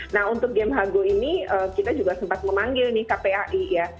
nah untuk game hago ini kita juga sempat memanggil nih kpai ya